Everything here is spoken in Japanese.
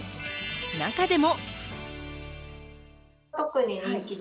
中でも。